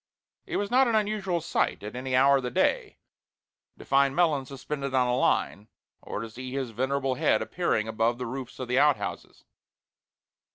It was not an unusual sight at any hour of the day to find Melons suspended on a line, or to see his venerable head appearing above the roofs of the outhouses.